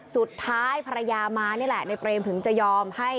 สุดท้ายภรรยามานี่แหละในเปรมถึงจะยอมให้